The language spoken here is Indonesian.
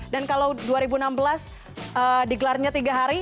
dan kalau dua ribu enam belas digelarnya tiga hari